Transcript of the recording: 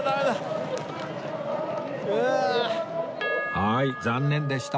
はい残念でした